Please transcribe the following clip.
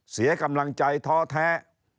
เสียกำลังใจท้อแท้